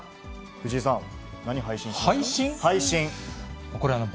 藤井さん、何配信します？